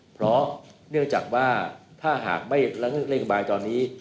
เพราะเนื่องจากว่าถ้าหากไม่ละเลิกนโยบายตอนนี้